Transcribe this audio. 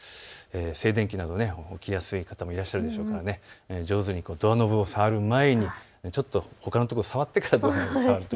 静電気など起きやすい方もいらっしゃるでしょうから、上手にドアノブを触る前にちょっと、ほかの所を触ってからドアノブを触ると。